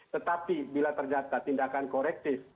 tetapi bila tindakan korektif